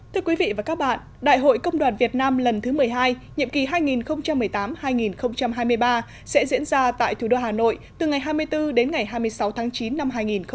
thưa quý vị và các bạn đại hội công đoàn việt nam lần thứ một mươi hai nhiệm kỳ hai nghìn một mươi tám hai nghìn hai mươi ba sẽ diễn ra tại thủ đô hà nội từ ngày hai mươi bốn đến ngày hai mươi sáu tháng chín năm hai nghìn một mươi chín